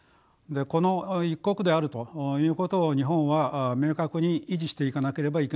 この一国であるということを日本は明確に維持していかなければいけないと思います。